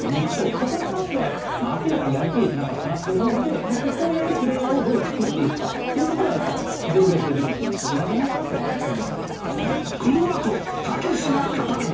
ここに関しては明らかにやりきれてなかったなって思うのでここをやるプレーヤーをどう作っていくかっていうところはやっぱゼロベースで議論しなくちゃいけないんじゃないかなとは思いますね。